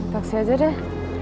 paksi aja deh